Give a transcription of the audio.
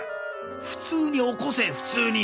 普通に起こせ普通に！